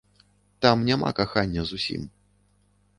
Там няма кахання зусім.